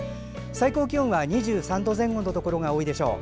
最高気温は２３度前後のところが多いでしょう。